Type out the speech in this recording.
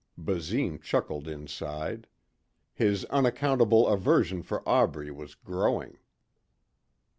Basine chuckled inside. His unaccountable aversion for Aubrey was growing.